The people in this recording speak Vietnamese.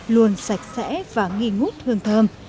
luôn sạch sẽ và nghi ngút hương thơm